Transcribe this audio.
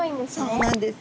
そうなんです。